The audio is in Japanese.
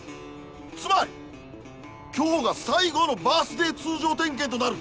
つまり今日が最後のバースデー通常点検となる。